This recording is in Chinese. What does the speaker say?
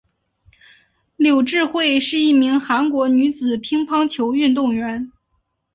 柳智惠是一名韩国女子乒乓球运动员。